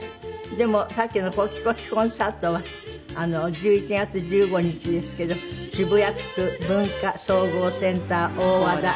でもさっきの「ＫＯＫＩＫＯＫＩコンサート」は１１月１５日ですけど渋谷区文化総合センター。